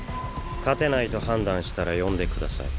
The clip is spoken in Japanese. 勝てないと判断したら呼んでください。